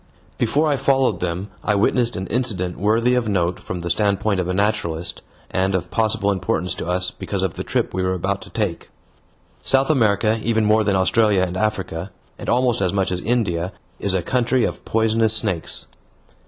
Before I followed them I witnessed an incident worthy of note from the standpoint of a naturalist, and of possible importance to us because of the trip we were about to take. South America, even more than Australia and Africa, and almost as much as India, is a country of poisonous snakes.